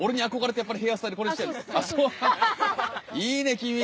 いいね君！